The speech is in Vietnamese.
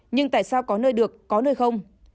nhưng tại sao có nơi được có nơi không